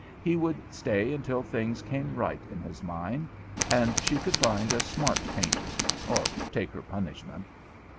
He would stay until things came right in his mind. And she could find a smart painter, or take her punishment.